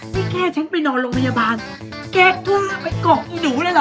นี่แค่ฉันไปนอนโรงพยาบาลแกกล้าไปเกาะอีหนูเลยเหรอ